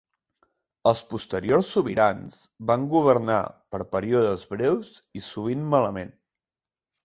Els posteriors sobirans van governar per períodes breus i sovint malament.